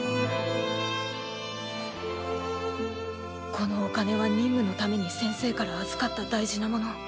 このお金は任務のために先生から預かった大事なもの。